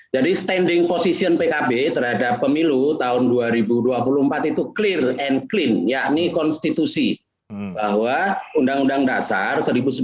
jadi standing position pkb terhadap pemilu tahun dua ribu dua puluh empat itu clear and clean yakni konstitusi bahwa undang undang dasar seribu sembilan ratus empat puluh lima